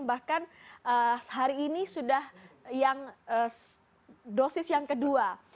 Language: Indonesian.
bahkan hari ini sudah dosis yang kedua